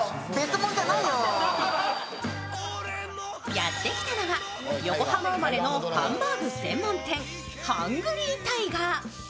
やってきたのは横浜生まれのハンバーグ専門店ハングリータイガー。